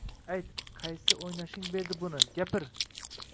Ayt, qaysi o`ynashing berdi buni, gapir